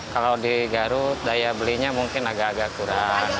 kalau di garut daya belinya mungkin agak agak kurang